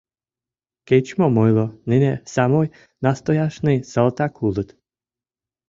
Кеч-мом ойло, нине самой настояшный салтак улыт.